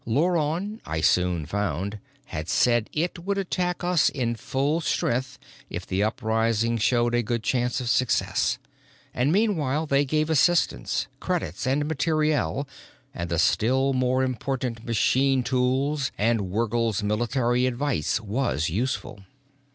Luron, I soon found, had said it would attack us in full strength if the uprising showed a good chance of success, and meanwhile, they gave assistance, credits and materiel and the still more important machine tools, and Wergil's military advice was useful.